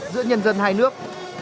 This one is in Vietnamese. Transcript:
giữa nhân dân hai nước